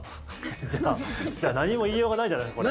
じゃあ何も言いようがないじゃないですか、これ。